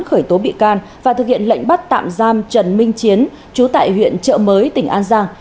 khởi tố bị can và thực hiện lệnh bắt tạm giam trần minh chiến chú tại huyện trợ mới tỉnh an giang